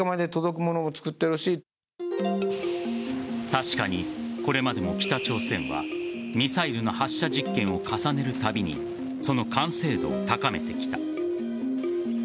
確かにこれまでも北朝鮮はミサイルの発射実験を重ねるたびにその完成度を高めてきた。